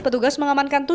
petugas mengamankan tujuh